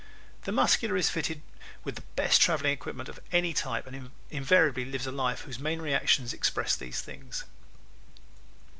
The Muscular is fitted with the best traveling equipment of any type and invariably lives a life whose main reactions express these things.